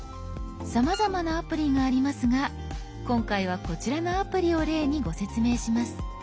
さまざまなアプリがありますが今回はこちらのアプリを例にご説明します。